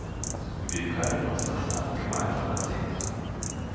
Wir können uns das dann gemeinsam ansehen.